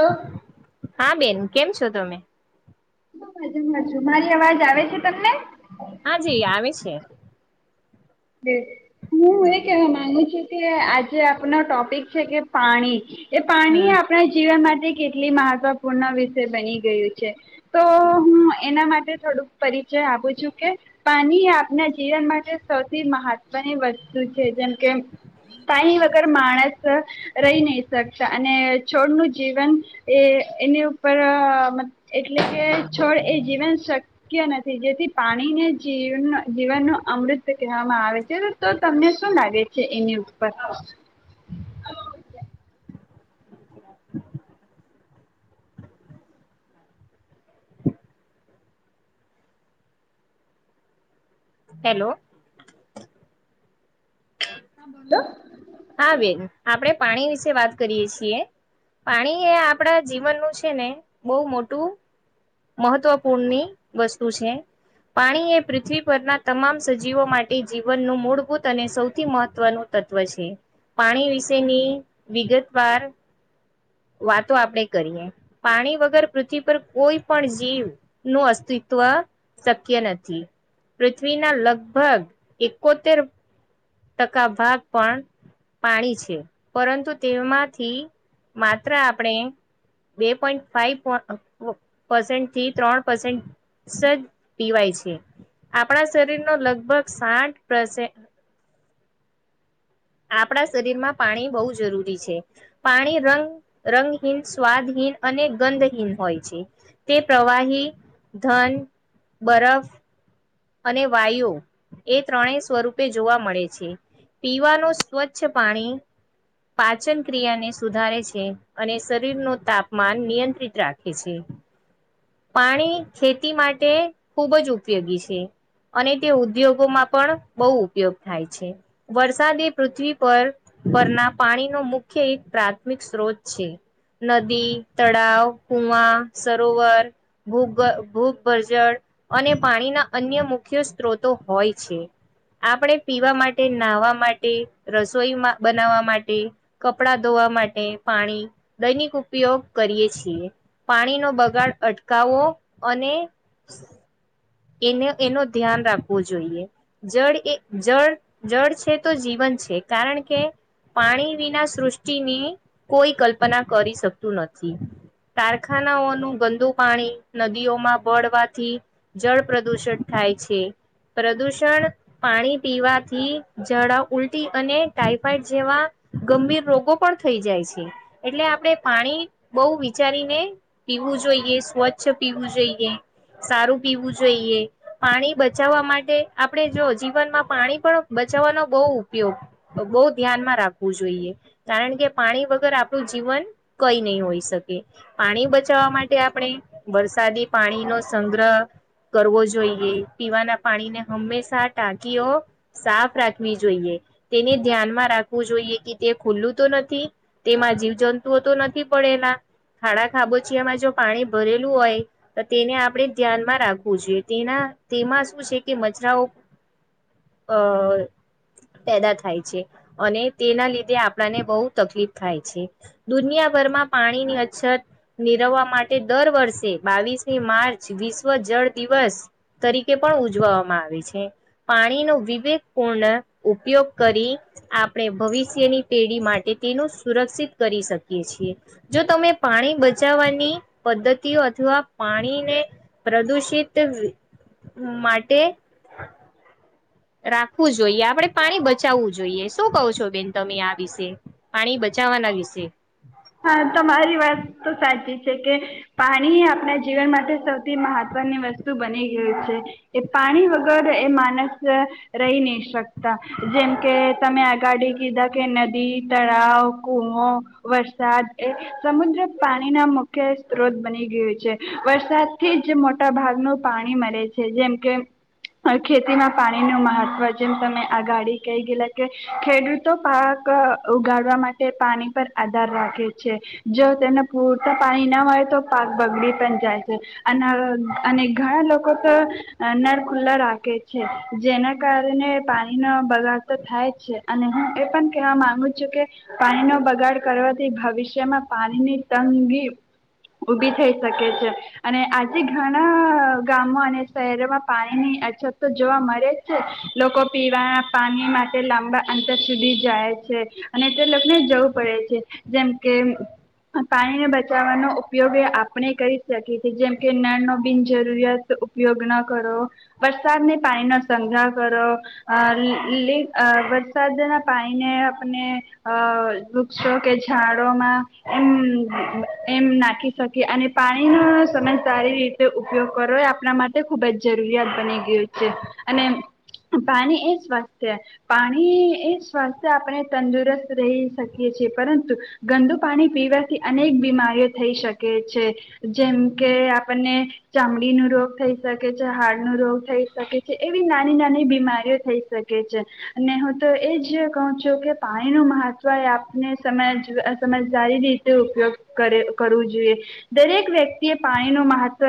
હું [inaudible] હા બેન કેમ છો તમે હજજુ મારી અવાજ આવે છે તમને હા જી આવે છે. [inaudible] હું એ કેવા માંગુ છું આજે આપનો ટોપિક છે કે પાણી એ પાણી હમ આપણા જીવન માટે એ કેટલી મહત્વપૂર્ણ વિષય બની ગયું છે તો હું એના માટે થોડુંક પરિચય આપું છું કે પાણી આપના જીવન માટે મહત્વની વસ્તુ છે જે પાણી વાગર માનસ રહી નહી શકતા અને છોડ નું જીવન એ એની ઉપર એટલે કે છોડ એ જીવન શક્તિ શક્ય નથી જેથી પાણીને જીવ જીવન ન અમૃત કેવામાં આવે છે તો તમને શું લાગે છે એની ઉપર હેલ્લો હા બોલો હા બેન આપણે પાણી વિશે વાત કરીએ છીએ પાણી એ આપણા જીવનનું છે ને બહુ મોટું મહત્વપૂર્ણની વસ્તુ છે પાણી એ પૃથ્વી પરના તમામ સજીવો માટે જીવનનું મૂળભૂત અને સૌથી મહત્વનું તત્વ છે પાણી વિશેની વિગતવાર વાતો આપણે કરીએ પાણી વગર પૃથ્વી પર કોઈ પણ જીવ નું અસ્તિત્વ ટકા ભાગ પણ પાણી છે પરંતુ તેમાંથી માત્ર આપણે બે પોઈન્ટ ફાઈવ પ થી ત્રણ પસેન્ટ જ પીવાય છે આપણા શરીરનો લગભગ સાઠ આપણા શરીરમાં પાણી બહુ જરૂરી છે પાણી રંગ રંગહીન સ્વાદહીન અને ગંધહીન હોય છે તે પ્રવાહી ધન બરફ અને વાયુ એ ત્રણેય સ્વરૂપે જોવા મળે છે પીવાનું સ્વચ્છ પાણી પાચન ક્રિયાને સુધારે છે અને શરીરનું તાપમાન નિયંત્રિત રાખે છે. પાણી ખેતી માટે ખૂબ જ ઉપયોગી છે અને તે ઉદ્યોગોમાં પણ બહુ ઉપયોગ થાય છે વરસાદી પૃથ્વી પર પરના પાણીનો મુખ્ય એક પ્રાથમિક સ્ત્રોત છે નદી તળાવ કુવા સરોવર ભૂગભજળ અને પાણીના અન્ય મુખ્ય સ્ત્રોતો હોય છે આપણે પીવા માટે નાહવા માટે રસોઈ બનાવવા માટે કપડા ધોવા માટે પાણી દૈનિક ઉપયોગ કરીએ છીએ પાણીનો બગાડ અટ ગાાવો અને એ એનું ધ્યાન રાખવું જોઈએ જળ એ જળ જળ છે તો જીવન છે કારણ કે પાણી વિના સૃષ્ટિની કોઈ કલ્પના કરી શકતું નથી કારખાનાઓનું ગંદુ પાણી નદીઓમાં બળવાથી જળ પ્રદૂષણ થાય છે પ્રદૂષણ પાણી પીવાથી જડા ઉલટી અને ટાઈફોાઈડ જેવા ગંભીર રોગો પણ થઈ જાય છે એટલે આપણે પાણી બહુ વિચારીને પીવું જોઈએ સ્વચ્છ પીવું જોઈએ સારું પીવું જોઈએ પાણી બચાવવા માટે આપણે જો જીવનમાં પાણી પણ બચાવવાનો બહુ ઉપયોગ બહુ ધ્યાનમાં રાખવું જોઈએ કારણ કે પાણી વગર આપણું જીવન કઈ નહી હોઈ શકે પાણી બચાવવા માટે આપણે વરસાદી પાણીનોો સંગ્રહ કરવો જોઈએ પીવાના પાણીને હંમેશા ટાંકીઓ સાફ રાખવી જોઈએ તેને ધ્યાનમાં રાખવું જોઈએ કે તે ખુલ્લું તો નથી તેમાં જીવજંતુઓ તો નથી પડેલા ખાડા ખાબોચીિયામાં જો પાણી ભરેલું હોય તો તેને આપણે ધ્યાનમાં રાખ તેના તેમાં શું છે કે મછરાઓ અ પેદા થાય છે અને તેના લીધે આપણાને બહુ તકલીફ થાય છે દુનિયાભરમાં પાણીની અછત નિરવવા માટે દર વર્ષે બાવીસમી માર્ચ વિશ્વ જળ દિવસ તરીકે પણ ઉજવામાં આવે છે પાણીનો વિવેકપૂર્ણ ઉપયોગ કરી આપણે ભવિષ્યની પેઢી માટે તેનું સુરક્ષિત કરી શકીએ છીએ જો તમે પાણી બચાવવાની પદ્ધતિઓ અથવા પાણીને પ્રદુષિત તે માટે રાખવું જોઈએ આપણે પાણી બચાવવું જોઈએ શું કહો છો બેન તમે આ વિશે પાણી બચાવવાના વિશે હા તમારી વાત તો સાચી કે પાણી આપણા જીવન માટે સૌથી મહત્વની વસ્તુ બની ગયુ છે એ પાણી વગર એ માણસ રહી નહી શક જેમ કે તમે આગાડી કીધા કે નદી તળાવ કૂવો વરસાદ એ સમુદ્ર પાણીના મુખ્ય સ્ત્રોત બની ગયું છે. વરસાદથી જ મોટા ભાગનું પાણી મળે છે. જેમ કે, ખેતીમાં પાણી ન મહત્વ જેમ તમે આગાડી કહી ગયલા કે ખેડૂતો પાક ઉગાડવા માટે તે પાણી પર આધાર રાખે છે. જો તેને પૂરતા પાણી ના હોય તો પાક બગડી પણ જાય છે. અના અને ઘણા લોક [inaudible] અહ નર ખુલ્લા રા ખે છે જેના કારણે પાણીનો બગાડ તો થાય જ છે. અને હું એ પણ કેહેવા માંગુ છું કે પાણીનો બગાડ કરવાથી ભવિષ્યમાં પાણીની તંગી ઉભી થઈ શકે છે અને આજે ઘણા ગામો અને શહેરોમાં પાણીની અછત તો જોવા મળે છે લોકો પી જા પાણી માટે લાંબા અંતર સુધી જાય છે અને જે લોક ને જરુર પડે છે જેમ કે અમ્મ પાણીને બચાવવાનો ઉપયોગે આપણે કઈ સરખે છે જેમ કે નળ નો બિનજરૂરિયાત ઉપયોગ ના કરો વરસાદને પાણી નો સંગ્રહ કરો અહ અહ લે વરસાદના પાણીને આપને અહ વૃક્ષો કે ઝાંડ રો ના એમ નાખી શકી અને પાણીનો સમન સારી રીતે ઉપયોગ કરવો એ આપણા માટે ખુબ જ જરૂરિયાત બની ગયું છે, અને પાણી એ સ્વાસ્થ્ય. પાણી એ સ્વાસ્થ્ય આપણે તંદુરસ્ત રહી શકી પરંતુ ગંદુ પાણી પીવાથી અનેક બીમારીઓ થઈ શકે છે જેમ કે આપણને ચામડી ન રોગ થઈ શકે છે, હારડ ન રોગ થઈ શકે છે એવી નાની નાની બીમારીઓ થઈ શકે છે, અને હું તો એજ કહું છું કે પાણીનું સમજદારી રીતે ઉપયોગ કરે કરવો જોઈએ દરેક વ્યક્તિએ પાણી નું મહત્વ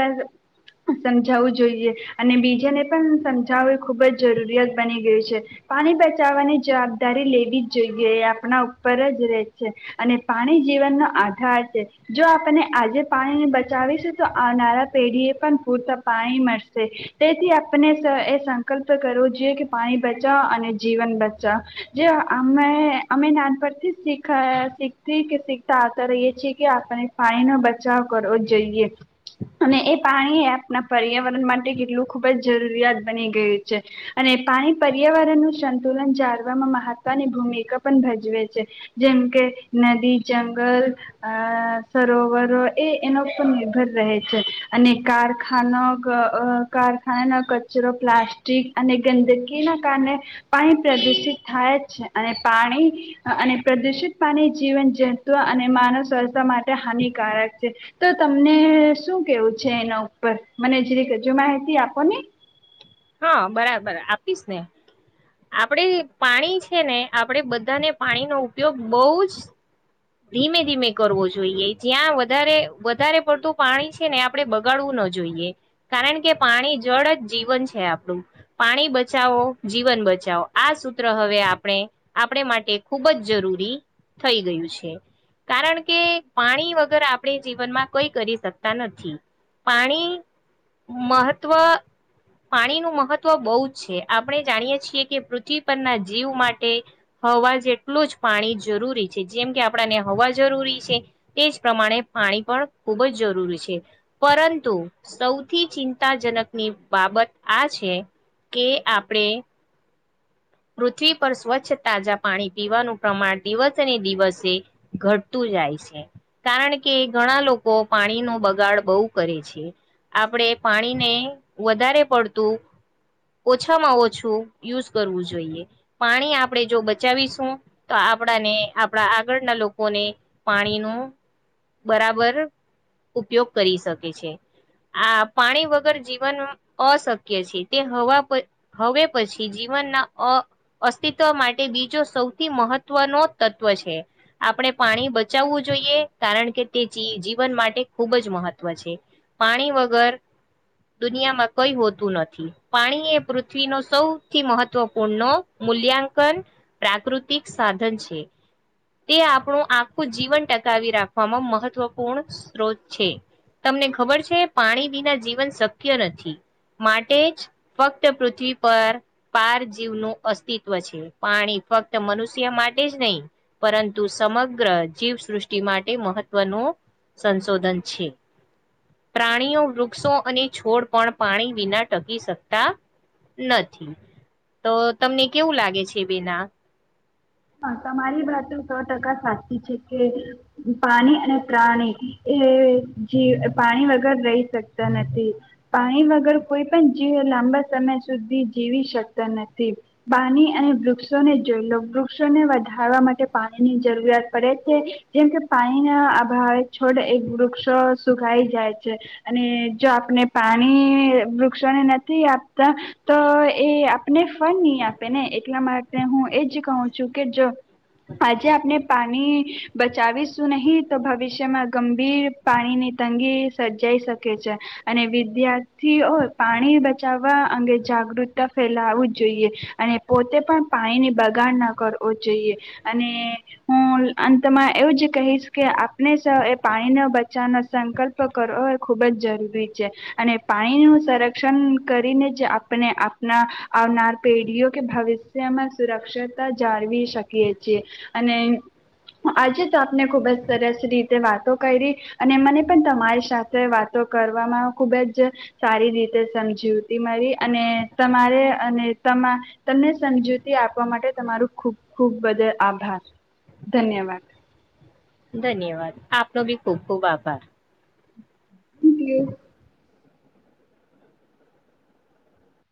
સમજાવવું જોઈએ અને બીજાને પણ સમજાવું ખુબ જ જરૂરિયાત બની ગયું છે. પાણી બચાવવાની જવાબદારી લેવી જ જોઈએ. આપણા ઉપર જ રહે છે અને પાણી જીવનનો આધાર છે. જો આપને આજે પાણીને બચાવીશ તો આવનારા પેઢીએ પણ પૂરતા પાણી મળશે. તેથી આપને એ સંકલ્પ કરવો જોઈએ કે પાણી બચાવો અને જીવન બચાવ જે અમે અમે નાન પરથી શીખ શીખતી કે શીખતા આવતા રહીએ છીએ કે આપને પાણીનો બચાવ કરવો જોઈએ અને એ પાણી આપણા પર્યાવરણ માટે કેટલું ખુબ જ જરૂરિયાત બની ગયું છે અને પાણી પર્યાવરણનું સંતુલન જાળવામાં મહત્વની ભૂમિકા ભજવે છે જેમ કે નદી, જંગલ અ સરોવરો એ એનો પર નિર્ભર રહે છે અને કારખાના કારખાનાનો કચરો પ્લાસ્ટિક અને ગંદકીના કારણે પાણી પ્રદુષિત થાય જ છે અને પાણી અને પ્રદુષિત પાણી જીવન જંતુવ અને માનવ સ્વસ્થતા માટે હાનિકારક છે, તો તમને શું કેવું છે એના ઉપર મને જે હજુ માહિતી આપો ને? હા બરાબર આપીશ ને આપડે પાણી છે ને આપણેે બધાને પાણીનો ઉપયોગ બહુ જ ધીમે ધીમે કરવો જોઈએ જ્યાં વધારે વધારે પડતું પાણી છે, ને આપણે બગાડવું ન જોઈએ કારણ કે પાણી જળ જ જીવન છે આપણું પાણી બચાવો જીવન બચાવો આ સૂત્ર હવે આપણે આપણે માટે ખૂબ જ જરૂરી થઈ ગયું છે. કારણ કે પાણી વગર આપણે જીવનમાં કઈ કરી શકતા નથી પાણી મહત્વ પાણીનું મહત્વ બહુ જ છે, આપણે જાણીએ છીએ કે પૃથ્વી પરના જીવ માટે હવા જેટલું જ પાણી જરૂરી છે જેમ કે આપ હવા જરૂરી છે તે જ પ્રમાણે પાણી પણ ખૂબ જ જરૂરી છે પરંતુ સૌથી ચિંતાજનકની બાબત આ છે કે આપણે પૃથ્વી પર સ્વચ્છ તાજા પાણી પીવાનું પ્રમાણ દિવસે ને દિવસે ઘટતું જાય છે કારણ કે ઘણા લોકો પાણી ન બગાડ બહુ કરે છે. આપણે પાણીને વધારે પડતું ઓછામાં ઓછું યુઝ કરવું જોઈએ પાણી આપણે જો બચાવીશું તો આપણાને આપણા આગળના લોકો લોકો પાણીનો બરાબર ઉપયોગ કરી શકે છે. આ પાણી વગર જીવન અશક્ય છે, તે હવા હવે પછી જીવનના અ અસ્તિત્વ માટે બીજો સૌથી મહત્વનો તત્વ છે. આપણે પાણી બચાવવું જોઈએ કારણ કે તે જીવન માટે ખૂબ જ મહત્વ છે. પાણી વગર દુનિયામાં કઈ હોતું નથી. પાણી એ પૃથ્વીનો સૌથી મહત્વપૂર્ણ ન મૂલ્યાંકન પ્રાકૃતિક સાધન છે. તે આપણું આખું જીવન ટકાવી રાખવામાં મહત્વપૂર્ણ સ્ત્રોત છે. તમને ખબર છે. પાણી વિના જીવન શક્ય નથી માટે જ ફક્ત પૃથ્વી પર પાર જીવનું અસ્તિત્વ છે. પાણી ફક્ત મનુષ્ય માટે જ નહીં, પરંતુ સમગ્ર જીવસૃષ્ટિ માટે મહત્વનું સંશોધન છે. પ્રાણીઓ વૃક્ષો અને છોડ પણ પાણી વિના ટકી શકતા નથી. તો તમને કેવું લાગે છે બેના? તમારી વાતો સો ટકા સાચી છે કે પાણી અને પ્રાણી એ જ પાણી વગર રહી શકતા નથી. પાણી વગર કોઈ પણ જીવ લાંબા સમય સુધી જીવી શકતા નથી. પાણી અને વૃક્ષોને જોય લો વૃક્ષ વૃક્ષોને વધારવા માટે પાણીની જરૂરિયાત પડે છે. જેમ કે પાણીના અભાવે છોડ એ વૃક્ષો સુકાાઈ જાય છે અને જો આપને પાણી વૃક્ષોને નથી આપતા તો એ આપને ફળ નહી આપે ને એટલા માટે હું એજ કહું છું. છું કે જો આજે આપને પા પાણી બચાવીશું નહી તો ભવિષ્યમાં ગંભીર પાણીની તંગી સર્જાઈ શકે છે, અને વિદ્યાર્થીઓ પાણી બચાવવા અંગે જાગૃતતા ફેલાવું જોઈએ અને પોતે પણ પાણીની બગાડ ના કરવો જોઈએ અને હું અંતમાં એવું જ કહીશ કે આપણે એ પાણીનો બચાવવાનો સંકલ્પ કરવો એ ખૂબ જ જરૂરી છે, અને પાણીનું સંરક્ષણ કરીને જ આપણે આપણા આવનાર પેઢીઓ કે ભવિષ્યમાં સુરક્ષિત જાળવી શકીએ છીએ અને આજે તો આપને ખુબ જ સરસ રીતે વાતો કરી અને મને પણ તમારી સાથે વાતો કરવામાં ખુબ જ સારી રીતે સમજૂતી મળી અને તમારે અને તમા તમને સમજૂતી આપવા માટે તમારું ખૂબ ખુબ બદલ આભાર ધન્યવાદ. ધન્યવાદ. આપનો ભી ખુબ ખુબ આભાર. થેકયુ.